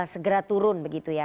segera turun begitu ya